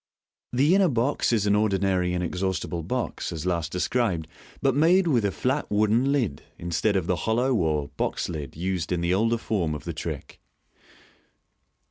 The inner box is an ordinary inexhaustible box, as last described, but made with a flat wooden lid, instead of the hollow or " box " lid used in the older form ot the trick.